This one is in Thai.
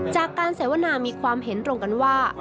จากการสัยวนามีความเห็นร่วมกันว่า